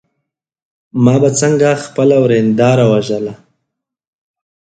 ما به څنګه خپله ورېنداره وژله.